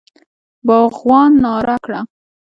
باغوان ناره کړه!